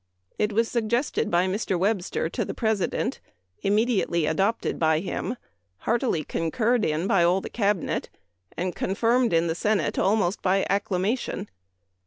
It was suggested by Mr. Webster to the President, immediately adopted by him, heartily concurred in by all the Cabinet, and confirmed in the Senate almost by acclamation.